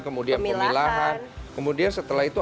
kemudian pemilahan kemudian setelah itu